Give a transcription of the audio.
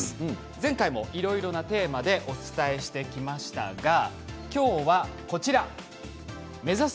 前回もいろいろなテーマでお伝えしてきましたがきょうは目指せ！